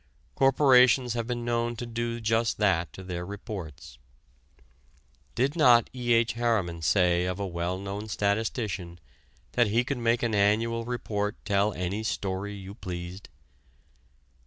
Corporations have been known to do just that to their reports. Did not E. H. Harriman say of a well known statistician that he could make an annual report tell any story you pleased?